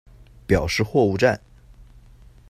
表示货物站。